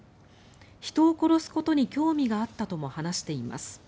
人を殺すことに興味があったとも話しています。